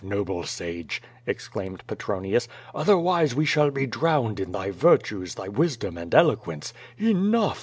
noble sage!" exclaimed Petronius, otherwise we shall be drowned in thy virtues, thy wisdom and eloquence. Enough!